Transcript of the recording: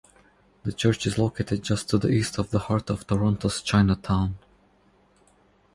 The church is located just to the east of the heart of Toronto's Chinatown.